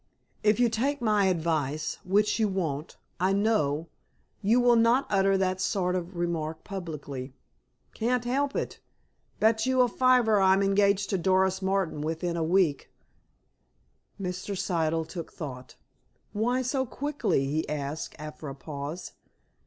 "If you take my advice, which you won't, I know, you will not utter that sort of remark publicly." "Can't help it. Bet you a fiver I'm engaged to Doris Martin within a week." Mr. Siddle took thought. "Why so quickly?" he asked, after a pause.